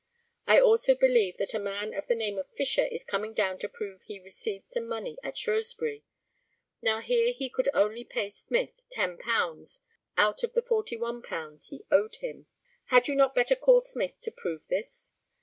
I also believe that a man of the name of Fisher is coming down to prove he received some money at Shrewsbury. Now, here he could only pay Smith £10 out of £41 he owed him. Had you not better call Smith to prove this?